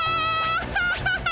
ハハハハハ！